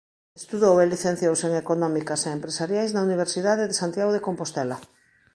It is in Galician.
Estudou e licenciouse en Económicas e Empresariais na Universidade de Santiago de Compostela.